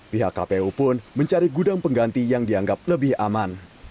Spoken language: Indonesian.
pihak kpu pun mencari gudang pengganti yang dianggap lebih aman